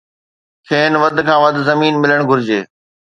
کين وڌ کان وڌ زمين ملڻ گهرجي